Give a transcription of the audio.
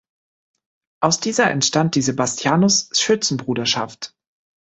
Aus dieser entstand die Sebastianus-Schützenbruderschaft.